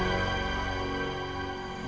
kamu harus berjaga jaga